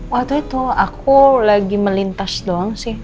waktu itu aku lagi melintas doang sih